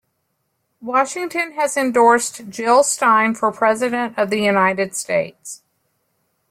Washington has endorsed Jill Stein for President of the United States.